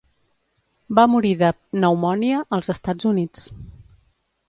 Va morir de pneumònia als Estats Units.